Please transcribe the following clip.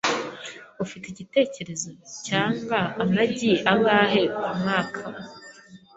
Ufite igitekerezo cyanga amagi angahe kumwaka?